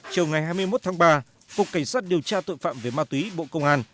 chiều ngày hai mươi một tháng ba cục cảnh sát điều tra tội phạm về ma túy bộ công an